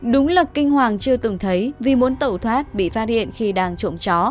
đúng là kinh hoàng chưa từng thấy vì muốn tẩu thoát bị phát hiện khi đang trộm chó